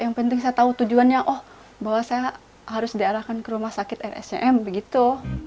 yang penting saya tahu tujuannya oh bahwa saya harus diarahkan ke rumah sakit rscm begitu